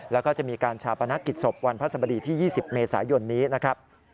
แล้วก็จะมีการชาปนกิจศพวันพระสมดีที่๒๐เมษายนนี้นะครับ